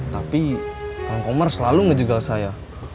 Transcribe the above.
tapi kang komar selalu ngejegal saya